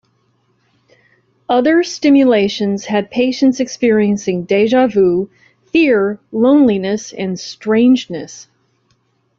Other stimulations had patients experiencing deja vu, fear, loneliness, and strangeness.